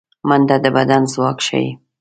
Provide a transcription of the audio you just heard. منډه د بدن ځواک ښيي